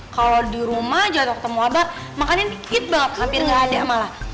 kalo di rumah jatuh ketemu abah makannya dikit banget hampir ga ada malah